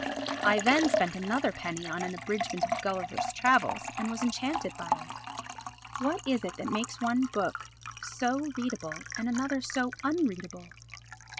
I then spent another penny on an abridgement of Gulliver's Travels, and was enchanted by it. What is it that makes one book so readable and another so unreadable?